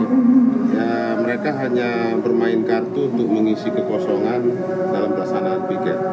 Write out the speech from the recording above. ya mereka hanya bermain kartu untuk mengisi kekosongan dalam pelaksanaan piket